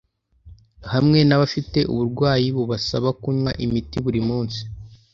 hamwe n’abafite uburwayi bubasaba kunywa imiti buri munsi